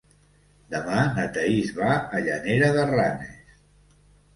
Demà na Thaís va a Llanera de Ranes.